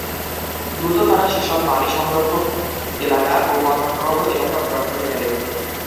দ্রুত তারা সেসব পানি সংরক্ষক এলাকা ও বন্যাপ্রবাহ এলাকা ভরাট করে ফেলে।